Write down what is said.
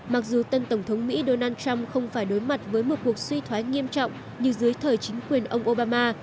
mặc dù tân tổng thống mỹ donald trump không phải đối mặt với một cuộc suy thoái nghiêm trọng như dưới thời chính quyền ông obama